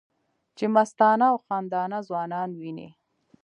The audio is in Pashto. چې مستانه او خندانه ځوانان وینې